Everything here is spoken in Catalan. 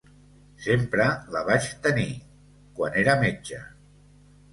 Sempre la vaig tenir, quan era metge.